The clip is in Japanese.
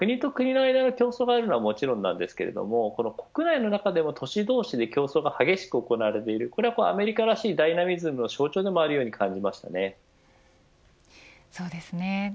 国と国の間に競争があるのはもちろんなんですけれども国内の中でも都市同士で競争が激しく行われているこれはアメリカらしいダイナミズムの象徴でもそうですね。